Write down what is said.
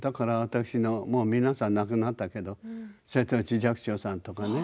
皆さんもう亡くなったけれど瀬戸内寂聴さんとかね